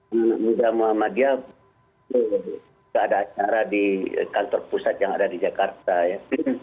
anak muda muhammadiyah tidak ada acara di kantor pusat yang ada di jakarta ya